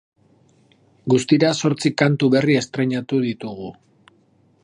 Guztira, zortzi kantu berri estreinatu ditugu.